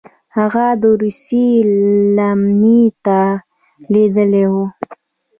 هغه د روسیې لمنې ته لوېدلي وه.